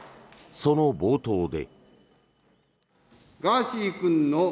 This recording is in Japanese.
その冒頭で。